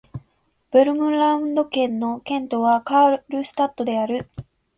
ヴェルムランド県の県都はカールスタッドである